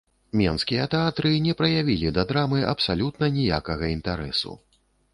Менскія тэатры не праявілі да драмы абсалютна ніякага інтарэсу.